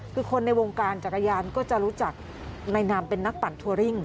คือคนในวงการจักรยานก็จะรู้จักในนามเป็นนักปั่นทัวริ่ง